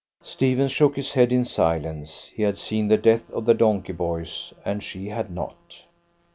Stephens shook his head in silence. He had seen the death of the donkey boys, and she had not.